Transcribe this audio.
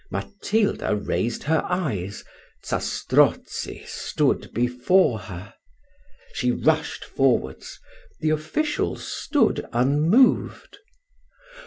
Matilda raised her eyes Zastrozzi stood before her. She rushed forwards the officials stood unmoved.